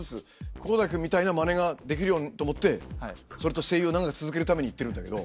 航大君みたいなマネができるようにと思ってそれと声優を長く続けるために行ってるんだけど。